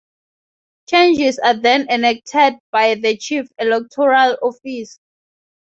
Changes are then enacted by the chief electoral officer.